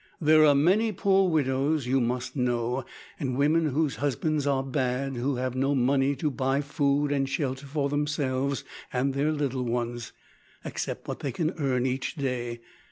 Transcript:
There are many poor widows, you must know, and women whose husbands are bad, who have no money to buy food and shelter for themselves and little ones except what they can earn each day.